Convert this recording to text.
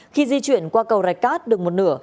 khi di chuyển qua cầu rạch cát được một nửa